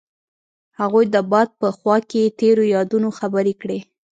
هغوی د باد په خوا کې تیرو یادونو خبرې کړې.